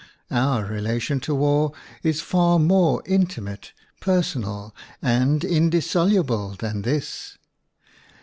Our relation to war is far more intimate, personal, and indissoluble than this.